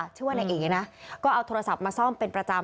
ชื่อว่านายเอนะก็เอาโทรศัพท์มาซ่อมเป็นประจำ